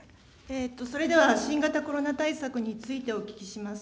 それでは新型コロナ対策についてお聞きします。